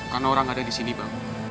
kan naura gak ada disini bang